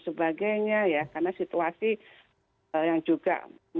sebagainya ya karena situasi yang juga